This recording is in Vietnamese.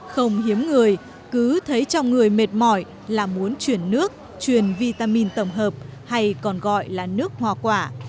không hiếm người cứ thấy trong người mệt mỏi là muốn chuyển nước truyền vitamin tổng hợp hay còn gọi là nước hoa quả